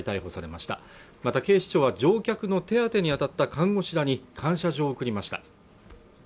また警視庁は乗客の手当てに当たった看護師らに感謝状を送りました